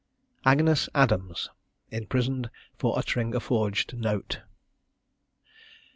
AGNES ADAMS. IMPRISONED FOR UTTERING A FORGED NOTE.